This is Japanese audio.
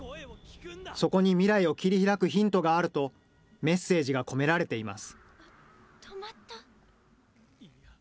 そこに未来を切り開くヒントがあると、メッセージが込められています。